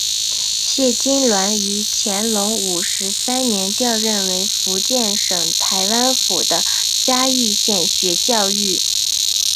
谢金銮于乾隆五十三年调任为福建省台湾府的嘉义县学教谕。